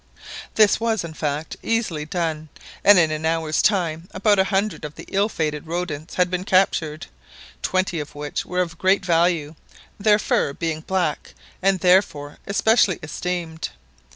This was, in fact, easily done, and in an hour's time about a hundred of the ill fated rodents had been captured, twenty of which were of very great value, their fur being black, and therefore especially esteemed.